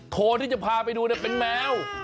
โทนที่จะพาไปดูเป็นแมว